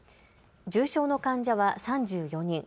重症の患者は３４人。